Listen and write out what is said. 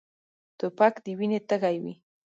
توپک د وینې تږی وي.